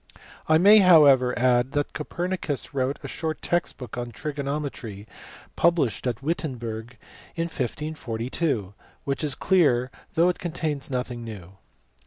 I may however add that Copernicus wrote a short text book on trigonometry, published at Wittenberg in 1542, which is clear though it contains nothing new.